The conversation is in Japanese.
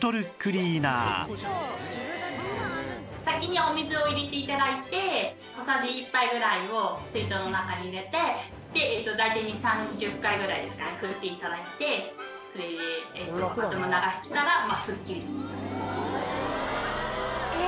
先にお水を入れて頂いて小さじ１杯ぐらいを水筒の中に入れて大体２０３０回ぐらいですかね振って頂いてそれであともう流しきったらすっきり。